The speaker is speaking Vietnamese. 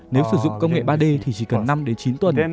nếu sử dụng công nghệ ba d thì chỉ cần năm đến chín tuần